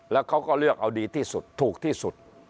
แล้วเขาก็เลือกเอาดีที่สุดถูกที่สุด